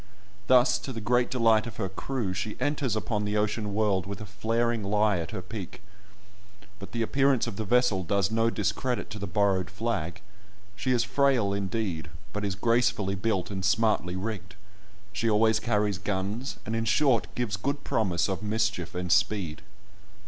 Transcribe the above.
Thus, to the great delight of her crew, she enters upon the ocean world with a flaring lie at her peak, but the appearance of the vessel does no discredit to the borrowed flag; she is frail indeed, but is gracefully built, and smartly rigged; she always carries guns, and in short, gives good promise of mischief and speed.